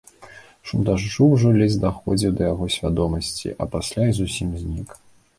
Шум дажджу ўжо ледзь даходзіў да яго свядомасці, а пасля і зусім знік.